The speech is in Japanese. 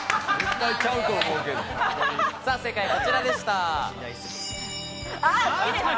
正解はこちらでした。